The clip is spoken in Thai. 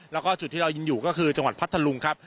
แล้วก็จุดที่เรายืนอยู่ก็คือจังหวัดพัทธลุงครับ